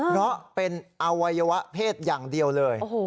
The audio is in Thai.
เพราะเป็นอวัยวะเพศอย่างเดียวเลย